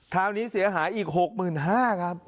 คราวนี้เสียหายอีก๖หมื่น๕ครับ